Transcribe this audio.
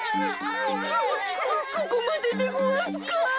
こここまででごわすか。